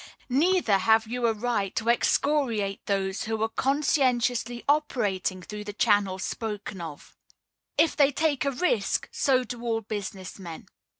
Neither have you a right to excoriate those who are conscientiously operating through the channels spoken of. If they take a risk, so do all business men.